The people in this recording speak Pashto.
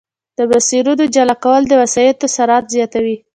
د مسیرونو جلا کول د وسایطو سرعت زیاتوي